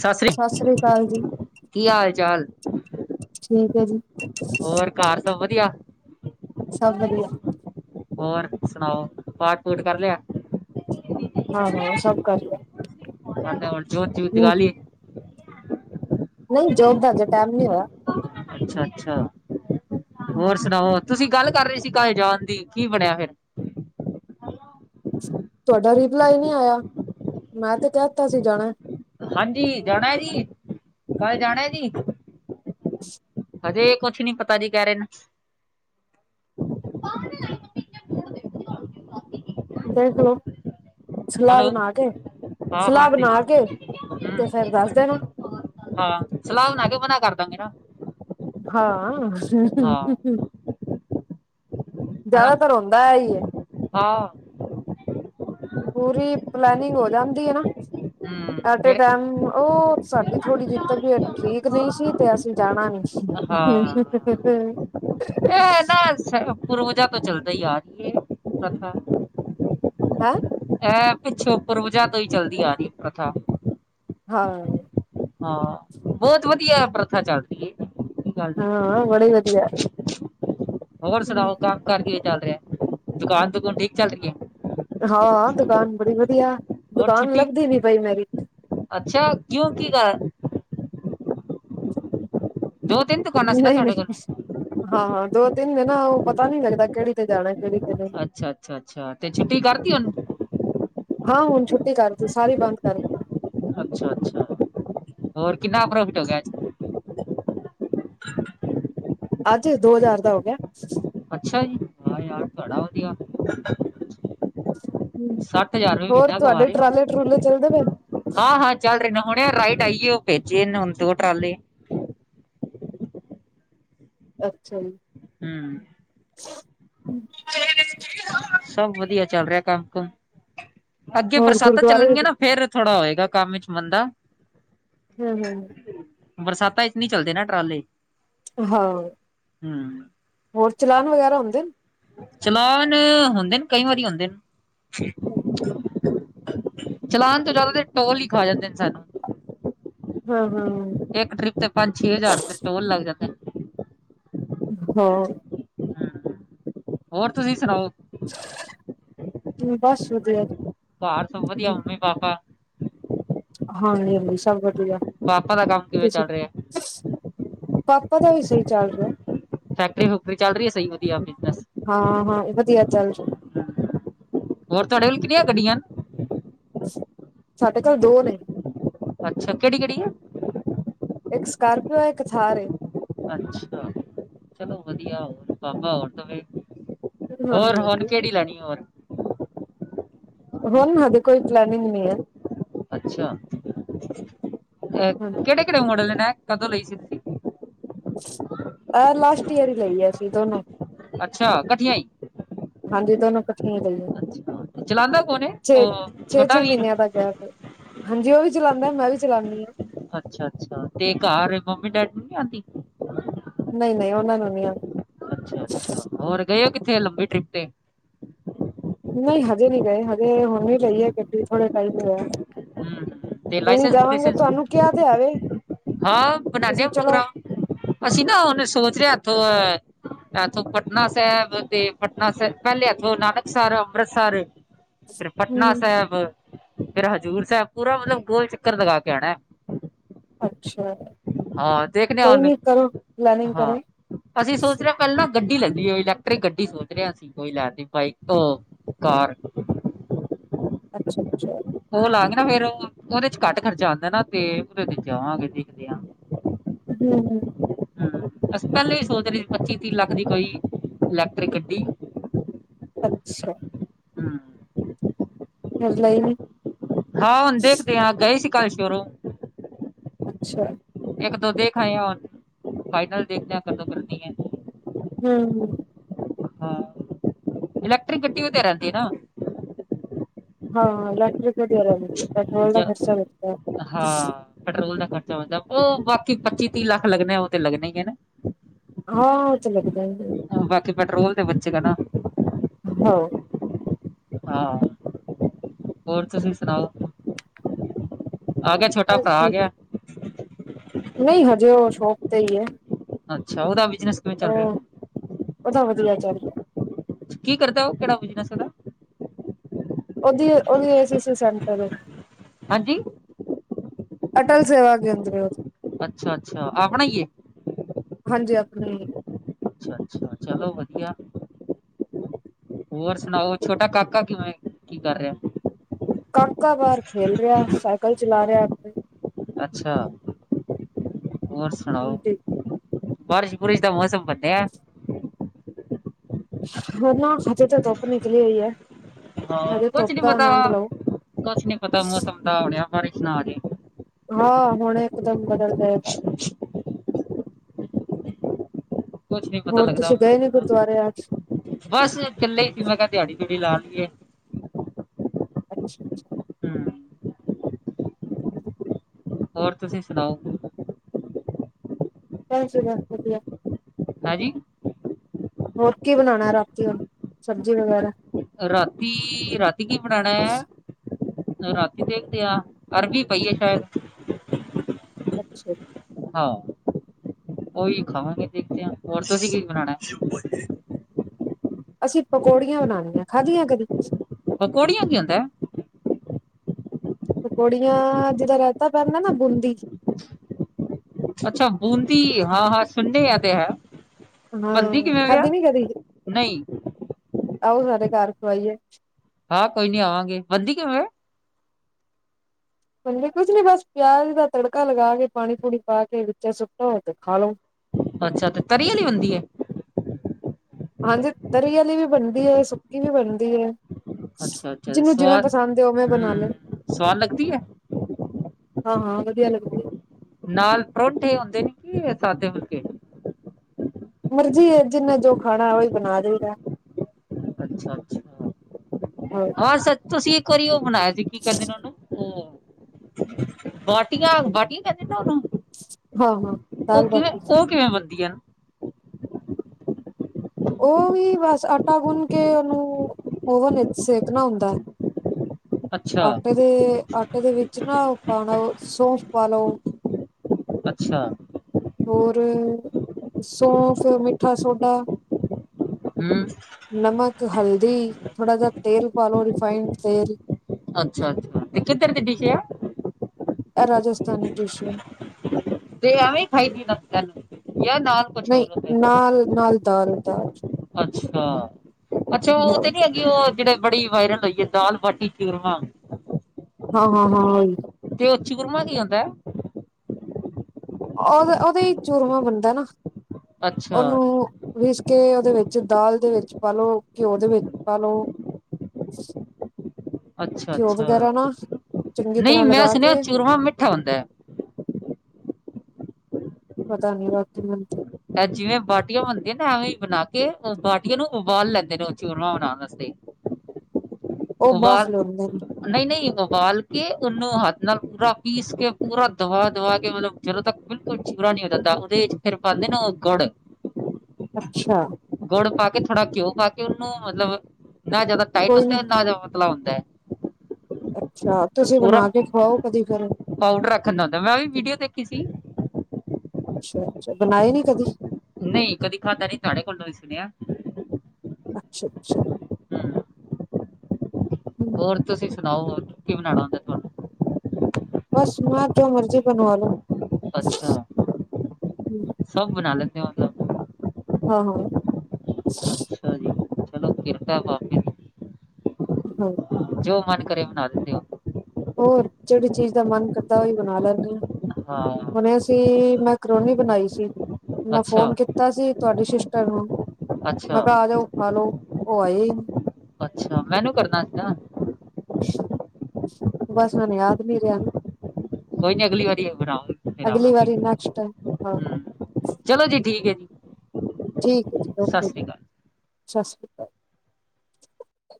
ਸਸ ਰੀ, ਸਤਿ ਸ੍ਰੀ ਅਕਾਲ ਜੀ ਕੀ ਹਾਲ ਚਾਲ ਠੀਕ ਹੈ ਜੀ। ਹੋਰ ਘਰ ਸਭ ਵਧੀਆ। ਸਭ ਵਧੀਆ। ਹੋਰ ਸੁਣਾਓ, ਪਾਠ ਪੂਠ ਕਰ ਲਿਆ। ਹਾਂ, ਹਾਂ ਸਭ ਕਰ ਲਿਆ। ਰਹਿੰਦੇ ਹੋਣੇ। ਜੋਤ ਜੂਤ ਹਮ ਜਗਾਲੀ। ਨਹੀਂ ਜੋਤ ਦਾ ਅਜੇ ਟਾਈਮ ਨਹੀਂ ਹੋਇਆ। ਅੱਛਾ, ਅੱਛਾ। ਹੋਰ ਸੁਣਾਓ ਤੁਸੀਂ ਗੱਲ ਕਰ ਰਹੇ ਸੀ ਘਰ ਜਾਣ ਦੀ ਕੀ ਬਣਿਆ ਫਿਰ। ਤੁਹਾਡਾ ਰਿਪਲਾਈ ਨਹੀਂ ਆਇਆ, ਮੈਂ ਤੇ ਕਹਿ ਦਿੱਤਾ ਸੀ ਜਾਣਾ। ਹਾਂਜੀ ਜਾਣਾ ਜੀ, ਕੱਲ ਜਾਣਾ ਜੀ। ਹਜੇ ਕੁਛ ਨੀ ਪਤਾ ਜੀ ਕਹਿ ਰਹੇ ਨੇ। ਦੇਖ ਲੋ। ਹੈਲੋ, ਹਾਂ -ਹਾਂ ਸਲਾਹ ਹੂੰ, ਬਣਾ ਕੇ ਤੇ ਫੇਰ ਦੱਸ ਦੇਣਾ ਹਾਂ ਸਲਾਹ ਬਣਾ ਕੇ ਬਣਾ ਕਰ ਦਸ ਦੋ ਗੇ ਨਾ। ਹਾਂ, ਹਨਾ ਜ਼ਿਆਦਾਤਰ ਹੁੰਦਾ ਇਹੀ ਹੈ। ਹਾਂ, ਪੂਰੀ ਪਲੈਨਿੰਗ ਹੋ ਜਾਂਦੀ ਹੈ ਨਾ। ਹਮ ਐਟ ਏ ਫਿਰ ਟੈਮ ਉਹ ਸਾਡੀ ਥੋੜੀ ਜਿਹੀ ਤਬੀਅਤ ਠੀਕ ਨਹੀਂ ਸੀ। ਤੇ ਅਸੀਂ ਜਾਣਾ ਨੀ। ਹਾਂ ਇਹ [unintelligible] ਨਾ ਸ- ਪੂਰਵਜਾਂ ਤੋਂ ਚਲਦਾ ਹੀ ਆ ਰਹੀ ਹੈ ਕਥਾ। ਹਮ ਹੈਂ ਹੈਂ, ਪਿੱਛੇ ਪਰਵਜਾ ਤੋਂ ਹੀ ਚੱਲਦੀ ਆ ਰਹੀ ਹੈ ਪ੍ਰਥਾ ਹਾਂ ਹਾਂ ਬਹੁਤ ਵਧੀਆ ਪ੍ਰਥਾ ਚੱਲਦੀ ਹੈ ਕੋਈ ਹਾਂ ਬੜੇ ਵਧੀਆ ਹ [inaudible] ਹੋਰ ਹਮ ਸੁਣਾਓ ਕੰਮ ਕਾਰ ਕੇ ਚੱਲ ਰਿਹਾ ਦੁਕਾਨ ਦੁਕਾਨ ਠੀਕ ਚੱਲ ਰਹੀ ਹੈ ਹਾਂ ਦੁਕਾਨ ਬੜੀ ਵਧੀਆ ਹੋਰ ਦੁਕਾਨ ਛੁੱਟੀ ਲੱਭਦੀ ਨੀ ਪਈ ਮੇਰੀ ਅੱਛਾ ਕਿਉਂ ਕੀ ਕਾਰ ਦੋ ਤਿੰਨ ਦੁਕਾਨਾਂ ਸੀ ਨਾ ਨਹੀਂ ਤੁਹਾਡੇ ਕੋਲ ਨਹੀਂ ਹਾਂ ਹਾਂ ਦੋ ਨੀ ਹੈ ਨਾ ਉਹ ਪਤਾ ਨੀ ਲੱਗਦਾ ਕਿਹੜੀ ਤੇ ਜਾਣਾ ਕਿਹੜੀ ਤੇ ਨਹੀਂ ਅੱਛਾ ਅੱਛਾ ਅੱਛਾ ਤੇ ਛੁੱਟੀ ਕਰਦੀ ਉਹਨੂੰ ਹਾਂ ਹੁਣ ਛੁੱਟੀ ਕਰਤੀ ਸਾਰੀ ਬੰਦ ਕਰਦੀ ਹੈ ਅੱਛਾ ਅੱਛਾ ਹੋਰ ਕਿੰਨਾ ਪ੍ਰੋਫਿਟ ਹੋ ਗਿਆ ਅੱਜ ਅੱਜ ਦੋ ਹਜ਼ਾਰ ਦਾ ਹੋ ਗਿਆ ਅੱਛਾ ਜੀ ਆਹ ਯਾਰ ਤੁਹਾਡਾ ਵਧੀਆ ਹਮ ਰੁਪਏ ਹੋਰ ਮਹੀਨਾ ਕਮਾ ਤੁਹਾਡੇ ਰਹੇ ਹੋ ਟਰਾਲੇ ਟਰੂਲੇ ਚੱਲਦੇ ਪਏ ਹਾਂ-ਹਾਂ ਚੱਲ ਰਹੇ ਨੇ ਹੁਣੇ ਰਾਈਟ ਇਹੀਓ ਉਹ ਨੇ ਭੇਜੇ ਹੁ ਟਰਾਲੇ ਅੱਛਾ ਜੀ। ਹਮ। [unintelligible] ਸਭ ਵਧੀਆ ਚੱਲ ਰਿਹਾ ਕੰਮ ਕੁਮ ਅੱਗੇ ਹੋਰ ਬਰਸਾਤਾਂ ਗੁਰਦੁਆਰੇ ਚੱਲਣਗੀਆਂ ਨਾ ਫੇਰ ਥੋੜਾ ਹੋਏਗਾ। ਦਾ ਕੰਮ ਵਿਚ ਮੰਦਾ ਹਮ [unintelligible] ਬਰਸਾਤਾਂ ਵਿਚ ਨੀ ਚੱਲਦੇ ਨਾ ਟਰਾਲੇ ਹਾਂ ਹੂੰ ਹੋਰ ਚਲਾਨ ਵਗੈਰਾ ਹੁੰਦੇ ਨੇ? ਚਲਾਨ ਹੁੰਦੇ ਨੇ ਕਈ ਵਾਰੀ ਹੁੰਦੇ ਨੇ। ਨੇ [unintelligible] ਚਲਾਾਨ ਤੋਂ ਜ਼ਿਆਦਾ ਟੋਲ ਹੀ ਖਾ ਜਾਂਦੇ ਨੇ ਸਾਨੂੰ ਹਾਂ। ਹਾਂ ਇੱਕ ਟ੍ਰਿਪ ਤੇ ਪੰਜ ਛੇ ਹਜ਼ਾਰ ਤੇ ਟੋਲ ਲੱਗ ਜਾਂਦੇ। ਨੇ ਹਾਂ। ਹੋਰ ਤੁਸੀਂ ਸੁਣਾਓ? ਹ ਬਸ ਵਧੀਆ ਬਾਹਰ ਸਭ ਵਧੀਆ ਮੰਮੀ ਪਾਪਾ? ਹਾਂਜੀ ਹਾਂਜੀ ਸਭ ਵਧੀਆ ਪਾਪਾ ਦਾ ਕੰਮ ਕਿਵੇਂ ਤੁਸੀਂ ਚੱਲ ਰਿਹਾ? ਪਾਪਾ ਦਾ ਵੀ ਸਹੀ ਚੱਲ ਰਿਹਾ। ਫੈਕਟਰੀ ਫੁਕਟਰੀ ਚੱਲ ਰਹੀ ਹੈ ਸਹੀ ਵਧੀਆ ਬਿਜਨਸ। ਹਾਂ ਹਾਂ ਵਧੀਆ ਚੱਲ ਰਿਹਾ ਹੋਰ ਤੁਹਾਡੇ ਕੋਲ ਕਿੰਨੀਆਂ ਗੱਡੀਆਂ ਹਨ। ਸਾਡੇ ਘਰ ਦੋ ਨੇ ਅੱਛਾ ਕਿਹੜੀ ਕਿਹੜੀ ਆ। ਇੱਕ ਸਕਾਰਪੀਓ ਇੱਕ ਥਾਰ ਏ। ਅੱਛਾ ਚਲੋ ਵਧੀਆ ਹੋਰ ਬਾਬਾ ਹੋਰ ਦਵੇ। ਹੋਰ ਹਾਂਜੀ ਹੁਣ ਹਾਂਜੀ। ਕਿਹੜੀ ਲੈਣੀ ਹੋਰ? ਹੋਣ ਮੇਰੀ ਕੋਈ ਪਲੈਨਿੰਗ ਨਹੀਂ ਹੈ। ਅੱਛਾ ਆਹ ਕਿਹੜੇ ਕਿਹੜੇ ਮੋਡਲ ਨੇ। ਕਦੋਂ ਲਈ ਸੀ ਤੁਸੀਂ? ਆਹ ਲਾਸਟ ਯੀਅਰ ਹੀ ਲਈ ਹੈ ਅਸੀ। ਕਿ ਦੋਨੋ ਅੱਛਾ ਇਕੱਠੀਆਂ ਹੀ। ਹਾਂਜੀ ਦੋਨੋ ਇਕੱਠੀਆਂ ਗਈਆਂ। ਚਲਾਂਦਾ ਕੌਣ ਏ ਉਹ ਛੋਟਾ ਛੇ ਵੀਰ? ਮਹੀਨਿਆਂ ਦਾ ਗੈਪ ਏ ਹਾਂਜੀ ਉਹ ਵੀ ਚਲਾਉਂਦਾ ਮੈਂ ਵੀ ਚਲਾਉਂਦੀ ਹਾਂ। ਅੱਛਾ ਅੱਛਾ ਤੇ ਘਰ ਮੰਮੀ ਡੈਡੀ ਨੂੰ ਨੀ ਆਓਂਦੀ ਨਹੀਂ ਨਹੀਂ ਉਹਨਾਂ ਨੂੰ ਨਹੀਂ ਆਉਂਦੀ। ਅੱਛਾ ਅੱਛਾ ਹੋਰ ਗਏ। ਕਿੱਥੇ ਲੰਬੀ ਟ੍ਰਿਪ ਤੇ। ਨਹੀਂ ਹਜੇ ਨਹੀਂ ਗਏ ਹਜੇ ਹੁਣ ਵੀ ਚਾਹੀਦੀ ਗੱਡੀ ਥੋੜਾ ਟਾਈਮ ਹੋਇਆ ਹਮ, ਤੇ ਕੋਈ ਨਹੀਂ ਲਾਇਸੈਂਸ ਜਾਵਾਂਗੇ ਲਾਇਸੈਂਸ ਤੁਹਾਨੂੰ ਕਿਹਾ ਤੇ ਹੈ ਵੇ। ਹਾਂ ਬਣਾਉਂਦੇ ਹਾਂ ਪ੍ਰੋਗਰਾਮ ਅਸੀਂ ਨਾ ਉਹਨੇ ਸੋਚ ਰਾਹੇ ਅੱਥੋ ਇਥੋਂ ਪਟਨਾ ਸਾਹਿਬ ਤੇ ਪਟਨਾ ਸਾਹਿਬ ਪਹਿਲੇ ਇਥੋਂ ਨਾਨਕਸਰ ਅੰਮ੍ਰਿਤਸਰ ਫਿਰ ਪਟਨਾ ਹਮ ਸਾਹਿਬ। ਫਿਰ ਹਜ਼ੂਰ ਸਾਹਿਬ ਪੂਰਾ ਮਤਲਬ ਗੋਲ ਚੱਕਰ ਲਗਾ ਕੇ ਆਉਣਾ। ਅੱਛਾ, ਹਾਂ ਕੋਈ ਹੁਣ ਨੀ ਕਰੋ ਪਲਨਿੰਗ ਹਾਂ ਕਰੋ। ਅਸੀਂ ਸੋਚ ਰਹੇ ਪਹਿਲਾਂ ਗੱਡੀ [inaudible] ਇਲੈਕਟ੍ਰਿਕ ਗੱਡੀ ਸੋਚ ਰਹੇ ਅਸੀ ਕੋਈ ਲੈਣ ਦੀ ਬਾਈਕ ਤੋਂ ਕਾਰ ਅੱਛਾ ਅੱਛਾ ਲਾਂਗੇ ਫਿਰ ਉਹ ਉਹਦੇ ਘੱਟ ਖਰਚਾ ਆਉਂਦਾ ਨਾ ਤੇ ਉਹਦੇ ਜਮਾਗੇ ਦੇ ਕਿਦੇ ਹਮ ਹਮ ਅਸੀਂ ਪਹਿਲੇ ਵੀ ਸੋਚ ਰਹੇ ਸੀ ਪੱਚੀ ਤੀਹ ਲੱਖ ਦੀ ਕੋਈ ਇਲੈਕਟ੍ਰਿਕ ਗੱਡੀ ਅੱਛਾ ਹਮ ਫਿਰ ਲਈ ਹਾਂ ਹੁਣ ਦੇਖਦੇ ਹਾਂ ਗਏ ਸੀ [inaudible] ਅੱਛਾ ਇੱਕ ਦੋ ਦੇਖਏ ਔਰ ਫਾਈਨਲ ਦੇਖਦੇ ਕਦ ਕਰਦੀ ਹੈ ਹਮ ਹਾਂ ਇਲੈਕਟ੍ਰਿਕ ਗੱਡੀ ਵਧਿਆ ਰਹਿੰਦੀ ਨਾ ਹਾਂ ਇਲੈਕਟ ਵਧੀਆ ਰਹਦੀ, ਪੈਟਰੋਲ ਜ ਦਾ ਖਰਚਾ ਵਧੀਆ ਹਾਂ ਪੈਟਰੋਲ ਦਾ ਖਰਚਾ ਉਹ ਬਾਕੀ ਪੱਚੀ ਤੀਹ ਲੱਖ ਲੱਗਣੇ ਉਹ ਤੇ ਲੱਗਣੇ ਹੀ ਹੈ ਨਾ ਹਾਂ ਔਹ ਤਾ ਲਗਨੇ ਹਮ ਬਾਕੀ ਪੈਟਰੋਲ ਤੇ ਬਚੇਗਾ ਨਾ ਹਾਂ ਆਹ ਹੋਰ ਤੁਸੀਂ ਸੁਣਾਓ ਆ ਗਿਆ ਛੋਟਾ ਬਸ ਭਰਾ ਆ ਠੀਕ ਗਿਆ ਨਹੀਂ ਹਜੇ ਉਹ ਸ਼ੋਪ ਤੇ ਹੀ ਹੈ ਅੱਛਾ ਉਹਦਾ ਵੀ ਬਿਜਨਿਸ ਚੱਲ ਰਿਹਾ ਦੀਵਾ ਚੱਲ ਪਿਆ। ਕੀ ਕਰਦਾ ਉਹ ਕਿਹੜਾ ਬਿਜ਼ਨਸ ਹੈਗਾ? ਓਦੀ ੳਦੀ ਏ ਸੀ ਸੀ ਸੈਂਟਰ। ਹਾਂਜੀ ਅਟਲ ਸੇਵਾ ਕੇਂਦਰ। ਅੱਛਾ ਅੱਛਾ ਆਪਣਾ ਏ। ਹਾਂਜੀ ਆਪਣੀ ਹੈ। ਅੱਛਾ ਅੱਛਾ ਚਲੋ ਵਧੀਆ ਹੋਰ ਸੁਣਾਓ ਛੋਟਾ ਕਾਕਾ ਕਿਵੇਂ ਕੀ ਕਰ ਰਿਹਾ ਹੈ? ਕਾਕਾ ਬਾਹਰ ਖੇਲ ਰਿਹਾ ਹੈ ਸਾਈਕਲ ਚਲਾ ਰਿਹਾ ਹੈ। ਹੂੰ। ਅੱਛਾ। ਹੋਰ ਸੁਣਾਓ? ਆਪਣੇ ਬਾਰਿਸ਼ ਬੁਰਿਸ਼ ਦਾ ਮੌਸਮ ਬਣਿਆ ਹੈ? ਹਨਾ। ਹਜੇ ਤਾਂ ਧੁੱਪ ਨਿਕਲੀ ਹੋਈ ਹੈ ਹਜੇ ਕੁਛ ਧੁੱਪ ਨੀ ਦਾ ਪਤਾ ਆਨੰਦ ਲਓ। ਕੁਛ ਨੀ ਪਤਾ ਮੌਸਮ ਦਾ ਹੋਣਿਆ ਬਾਰਿਸ਼ ਤਾਂ ਆ ਗਈ। ਹਾਂ ਹੁਣ ਇਕ ਦਮ ਬਦਲ ਜਾਏਗਾ। ਕੁਛ ਨੀ ਪਤਾ ਹੋਰ ਲੱਗਦਾ ਤੁਸੀਂ ਗਏ ਨੀ ਮਸੌਮ ਦਾ ਗੁਰਦੁਆਰੇ ਅੱਜ ਬਸ ਇਕੱਲੇ ਸੀ ਮੈਂ ਕਿਹਾ ਦਿਹਾੜੀ ਦਿਹਾੜੁ ਲਾ। ਕੀ ਏ? ਅੱਛਾ, ਅੱਛਾ। ਹੂੰ। ਹੋਰ ਤੁਸੀਂ ਸੁਣਾਓ? ਭੈਣ ਜੀ ਬਸ ਵਧੀਆ। ਹਾਂਜੀ। ਹੋਰ ਕੀ ਬਣਾਣਾ, ਰਾਤੀ ਹੁਣ ਸਬਜ਼ੀ ਵਗੈਰਾ ਰਾਤੀ- ਰਾਤੀ। ਤੁਸੀਂ ਕੀ ਬਣਾਣਾ ਐ? ਰਾਤੀ ਦੇਖਦੇ ਆ ਅਰਬੀ ਪਈਏ ਸ਼ਾਇਦ। ਅੱਛਾ। ਹਾਂ ਉਹੀ ਖਾਵਾਂਗੇ ਦੇਖਦਿਆਂ, ਹੋਰ ਤੁਸੀਂ ਕੀ ਬਣਾਣਾ। ਅਸੀਂ ਪਕੌੜੀਆਂ ਬਣਾਨੀਆਂ ਖਾਧੀਆਂ ਕਦੀ। ਪਕੌੜੀਆਂ ਕੀ ਹੁੰਦਾ ਐ? ਪਕੌੜੀਆਂ ਜਿਦਾ ਰੈਤਾ ਪੈਂਦਾ ਨਾ ਬੂੰਦੀ ਚ ਅੱਛਾ ਬੂੰਦੀ ਹਾਂ -ਹਾਂ ਸੁਣਿਆ ਤੇ ਹੈ। ਬੰਦੀ ਹੂੰ ਕਿਵੇਂ ਵਿਆ ਖਾਦੀ ਨਹੀਂ ਕਦੀ। ਨਹੀਂ ਆਓ ਸਾਡੇ ਘਰ ਖਵਾਈਏ। ਹਾਂ ਕੋਈ ਨੀ ਆਵਾਂਗੇ, ਬਣਦੀ ਕਿਵੇਂ ਐ। ਬਣਦੀ ਕੁਝ ਨੀ ਬਸ ਪਿਆਜ ਦਾ ਤੜਕਾ ਲਗਾ ਕੇ ਪਾਣੀ ਪੂਣੀ ਪਾ ਕੇ ਵਿੱਚ ਸੁੱਟੋ ਤੇ ਖਾ ਲੋ। ਅੱਛਾ ਤੇ ਤਰੀ ਆਲੀ ਬਣਦੀ ਐ। ਹਾਂਜੀ ਤਰੀ ਵਾਲੀ ਵੀ ਬਣਦੀ ਐ, ਸੁੱਕੀ ਵੀ ਬਣਦੀ ਐ। ਅੱਛਾ -ਅੱਛਾ ਤੇ ਸੁਆਦ ਉਵੇਂ ਬਣਾ ਲੈ ਹੂੰ ਸੁਆਦ ਲੱਗਦੀ ਹੈ। ਹਾਂ ਹਾਂ ਵਧੀਆ ਲੱਗਦੀ ਹੈ। ਨਾਲ ਪਰੋਠੇ ਹੁੰਦੇ ਨੇ ਕਿ ਸਾਦੇ ਫੁਲਕੇ ਮਰਜੀ ਜਿੰਨਾ ਜੋ ਖਾਣਾ ਉਹੀ ਬਣਾ ਦਈਦਾ। ਅੱਛਾ- ਅੱਛਾ ਹਾਂ ਸੱਚ ਤੁਸੀਂ ਕਰਿਓ ਬਣਾਇਆ ਸੀ ਕੀ ਕਹਿੰਦੇ ਨੇ ਉਹਨੂੰ ਉ ਬਾਟੀਆਂ- ਬਾਟੀਆਂ ਕਹਿੰਦੇ ਨੇ ਹਾਂ ਹਾਂ ਉਹਨੂੰ। ਉਹ ਦਾਲ ਕਿਵੇਂ ਬਾਟੀ ਉਹ ਕਿਵੇਂ ਬਣਦਾ। [inaudible] ਉਹ ਵੀ ਬਸ ਆਟਾ ਗੁੰਨ ਕੇ ਉਹਨੂੰ ਓਵਨ ਵਿੱਚ ਸੇਕਣਾ ਹੁੰਦਾ ਹੈ। ਅੱਛਾ ਆਟੇ ਦੇ ਆਟੇ ਦੇ ਵਿੱਚ ਨਾ ਪਾਣਾ ਸੌਂਫ ਪਾਲੋ। ਅੱਛਾ, ਹੋਰ ਸੌਂਫ, ਮਿੱਠਾ ਸੋਡਾ ਹੂੰ ਨਮਕ, ਹਲਦੀ ਦੇ ਥੋੜਾ ਜਿਹਾ ਤੇਲ ਪਾਲੋ ਰਿਫਾਈੰਡ ਤੇਲ। ਅੱਛਾ -ਅੱਛਾ ਤੇ ਕਿੱਧਰ ਦੀ ਡਿਸ਼ ਐ। ਇਹ ਰਾਜਸਥਾਨੀ ਡਿਸ਼ ਮੈਮ। ਤੇ ਐਵੇਂ ਖਾਈਦੀ ਨਾ ਤਹਾਨੂੰ। ਨਹੀਂ ਨਾਲ ਨਾਲ ਦਾਲ ਦਾਲ ਅੱਛਾ ਅੱਛਾ ਉਹ ਹਾਂ ਤੇ ਨੀ ਹੈਗੀ ਜਿਹੜੇ ਬੜੀ ਵਾਇਰਲ ਹੋਈ ਹੈ ਦਾਲ ਬਾਟੀ ਚੂਰਮਾ ਹਾਂ ਹਾਂ ਹਾਂ ਤੇ ਉਹ ਚੂਰਮਾ ਆਉਂਦਾ। ਉਹ ਉਹਦੇ ਹੀ ਚੂਰਮਾ ਬਣਦਾ ਨਾ ਅੱਛਾ ਉਹਨੂੰ ਪੀਸ ਕੇ ਉਹਦੇ ਵਿੱਚ ਵਿੱਚ ਦਾਲ ਦੇ ਵਿੱਚ ਪਾਲੋ ਘਿਓ ਦੇ ਵਿੱਚ ਪਾਲੋ ਅੱਛਾ ਘਿਓ ਅੱਛਾ ਵਗੈਰਾ ਨਾ ਚੰਗੀ ਨਹੀਂ ਤਰ੍ਹਾਂ ਮੈਂ ਲਗਾ ਸੁਣਿਆ ਕੇ ਚੂਰਮਾ ਮਿੱਠਾ ਹੁੰਦਾ ਹੈ। ਪਤਾ ਨੀ ਬਾਕ ਤੇ ਜਿਵੇਂ ਬਾਟੀਆਂ ਬਣਦੀਆਂ ਨਾ ਐਵੇਂ ਹੀ ਬਣਾ ਕੇ ਬਾਟੀਆਂ ਨੂੰ ਉਬਾਲ ਲੈਂਦੇ ਨੇ ਉਹ ਚੂਰਮਾ ਬਣਾਉਣ ਵਾਸਤੇ ਉਹ ਉਬਾਲ ਬਾਫਲੇ ਹੁੰਦੇ ਨੇ ਨਹੀਂ ਨਹੀਂ ਉਬਾਲ ਕੇ ਉਹਨੂੰ ਹੱਥ ਨਾਲ ਪੂਰਾ ਪੀਸ ਕੇ ਪੂਰਾ ਦਵਾ ਦਵਾ ਕੇ ਮਤਲਬ ਜਦੋਂ ਤੱਕ ਬਿਲਕੁਲ ਚੂਰਾ ਨੀ ਹੋ ਜਾਂਦਾ ਉਹਦੇ ਚ ਫਿਰ ਬਣਦੇ ਨੇ ਪਕੌੜੇ ਅੱਛਾ ਗੁੜ ਪਾ ਕੇ ਥੋੜਾ ਘਿਓ ਪਾ ਕੇ ਕਿ ਉਹਨੂੰ ਮਤਲਬ ਨਾਲ ਜਿਆਦਾ ਟਾਈਟ ਕੋਈ ਨੀ ਹੁੰਦਾ ਨਾ ਜਿਆਦਾ ਪਤਲਾ ਹੁਣਦੇ ਦਾ ਅੱਛਾ ਤੁਸੀਂ ਬਣਾ ਕੇ ਖਵਾਓ ਕਦੀ ਫੇਰ ਪਾਊਡਰ ਰੱਖਣ ਦਾ ਹੁੰਦਾ ਮੈਂ ਵੀ ਵੀਡੀਓ ਦੇਖੀ ਸੀ ਬਣਾਏ ਨੀ ਕਦੀ, ਨਹੀਂ ਕਦੀ ਖਾਧਾ ਨੀ ਤੁਹਾਡੇ ਕੋਲੋਂ ਵੀ ਸੁਣਿਆ। ਅੱਛਾ ਅੱਛਾ, ਹਮ, ਹਮ ਹੋਰ ਤੁਸੀਂ ਸੁਣਾਓ ਹੋਰ ਕੀ ਬਣਾਣਾ ਔਦਾ ਤੁਹਾਨੂੰ ਬਸ ਨਾ ਜੋ ਮਰਜ਼ੀ ਬਣਵਾ ਲੋ ਅੱਛਾ ਹੂੰ, ਸਭ ਬਣਾ ਲ ਔ, ਹਾਂ ਹਾਂ, ਚਲੋ ਕਿਰਪਾ ਬਾਬੇ ਦੀ ਹੂੰ ਜੋ ਮਨ ਕਰੇ ਨਾਲ ਬਣਾ ਦਿਨੀ ਆ, ਹੋਰ ਜਿਹੜੀ ਚੀਜ਼ ਦਾ ਮਨ ਕਰਦਾ ਉਹੀ ਬਣਾ ਲੈਂਨੀ ਐ। ਹੁਣੇ ਅਸੀ ਮੈਂ ਕਰੋਨੀ ਬਣਾਈ ਸੀ। ਮੈਂ ਅੱਛਾ ਫੋਨ ਕੀਤਾ ਸੀ ਤੁਹਾਡੀ ਸ ਕਰੋ ਅੱਛਾ ਮੈਂ ਕੇਹਾ ਆ ਜਾ ਔ, ਖਾ ਲੋੋ ਉਹ ਆਏ ਹੂੰ, [unintelligible] ਅੱਛਾ ਮੈਨੂੰ ਕਰਨਾ ਸੀ ਨਾ, ਬਸ ਹੁਣ ਯਾਦ ਨੀ ਰਿਹਾ ਨਾ। ਕੋਈ ਨੀ ਅਗਲੀ ਵਾਰੀ ਬਣਾਵਗੇ ਫਿਰ ਅਗਲੀ ਆਵਾਂਗੇ, ਵਾਰੀ ਨੈਕਸਟ ਟਾਈਮ ਹੂ ਹਾਂ ਚਲੋ ਜੀ ਠੀਕ ਹੈ। ਠੀਕ, [unintelligible] ਠੀਕ ਹੈ ਜੀ, ਔਕੇ ਜੀ। ਸਤਿ ਸ਼੍ਰੀ ਅਕਾਲ।